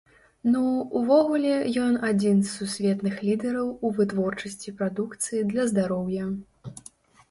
Ну, увогуле ён адзін з сусветных лідэраў у вытворчасці прадукцыі для здароўя.